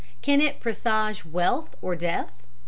Can it presage wealth or death?